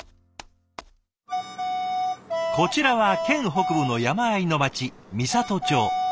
こちらは県北部の山あいの町美郷町。